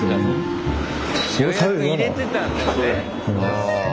ああ。